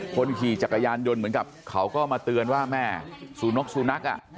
คนขี่จักรยานยนต์เหมือนกับเขาก็มาเตือนว่าแม่สูนกสูนัก